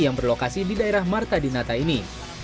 yang berlokasi di daerah marta dinata ini